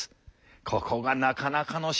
ここがなかなかの代物だ。